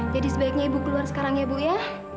jadi sebaiknya ibu keluar sekarang ya bu ya